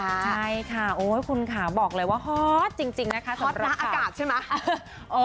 ใช่ค่ะโอ้ยคุณค่ะบอกเลยว่าฮอตจริงนะคะซอสระอากาศใช่ไหม